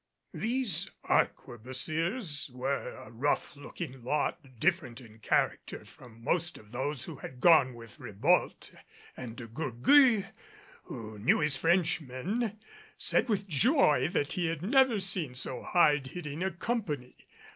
These arquebusiers were a rough looking lot different in character from most of those who had gone with Ribault and De Gourgues, who knew his Frenchmen, said with joy that he had never seen so hard hitting a company.